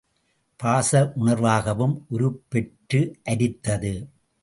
பாசவுணர்வாகவும் உருப்பெற்று அரித்தது.